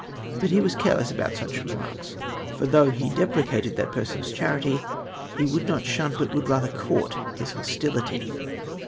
But he was careless about such remarks ; for though lie deprecated that person's charity, he would not shun but w^ould rather court his hostility.!